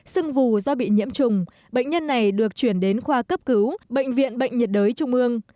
sưng vù do bị nhiễm trùng bệnh nhân này được chuyển đến khoa cấp cứu bệnh viện bệnh nhiệt đới trung ương